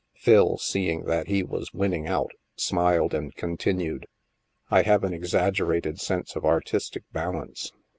Phil, seeing that he was win ning out, smiled and continued :" I have an exaggerated sense of artistic balance.